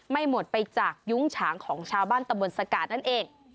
ไม่หมดไปจากยุ้งฉางของชาวบ้านตำบลสกาดนั่นเอง